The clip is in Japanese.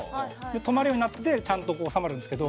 止まるようになってて、ちゃんとこう、収まるんですけど。